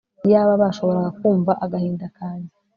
iyaba bashoboraga kumva agahinda kanjye